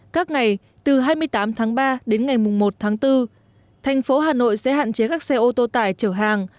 các ngày từ hai mươi tám tháng ba đến ngày một tháng bốn thành phố hà nội sẽ hạn chế các xe ô tô tải chở hàng